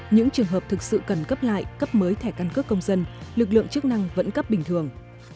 những trường hợp thực sự cần cấp lại cấp mới thẻ căn cước công dân lực lượng chức năng vẫn cấp bình thường